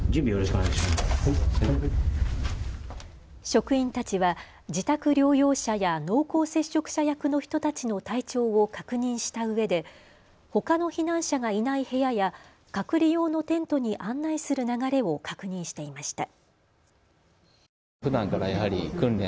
職員たちは自宅療養者や濃厚接触者役の人たちの体調を確認したうえでほかの避難者がいない部屋や隔離用のテントに案内する流れを確認していました。